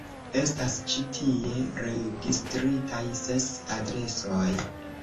Estas ĉi tie registritaj ses adresoj.